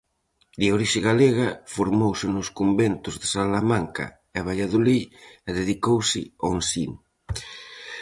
De orixe galega, formouse nos conventos de Salamanca e Valladolid e dedicouse ao ensino.